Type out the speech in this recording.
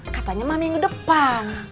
katanya mamping depan